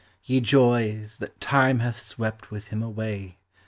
Ye joys, that Time hath swept with him away.